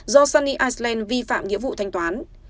do sunny island vi phạm nghĩa vụ thanh toán